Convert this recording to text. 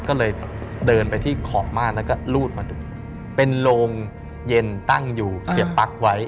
ก็เลยเดินไปที่ขอบม่านแล้วก็รูดมาดูเป็นโรงเย็นตั้งอยู่เสียบปั๊กไว้